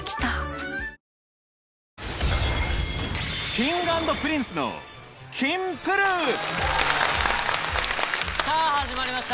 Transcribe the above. Ｋｉｎｇ＆Ｐｒｉｎｃｅのさぁ始まりました